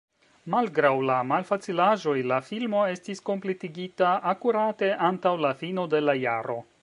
Malgraŭ la malfacilaĵoj, la filmo estis kompletigita akurate antaŭ la fino de la jaro.